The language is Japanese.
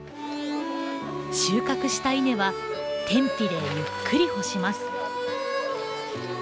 収穫した稲は天日でゆっくり干します。